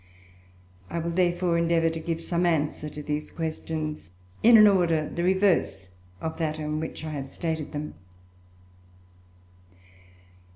I will, therefore, endeavour to give some answer to these questions in an order the reverse of that in which I have stated them.